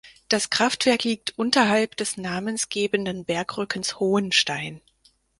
Das Kraftwerk liegt unterhalb des namensgebenden Bergrückens Hohenstein.